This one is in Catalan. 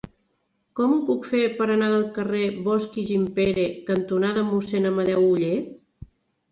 Com ho puc fer per anar al carrer Bosch i Gimpera cantonada Mossèn Amadeu Oller?